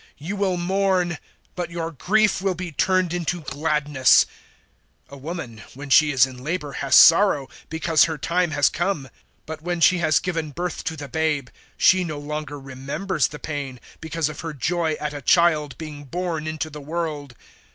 You will mourn, but your grief will be turned into gladness. 016:021 A woman, when she is in labour, has sorrow, because her time has come. But when she has given birth to the babe, she no longer remembers the pain, because of her joy at a child being born into the world.